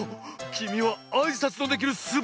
きみはあいさつのできるすばらしいこだ！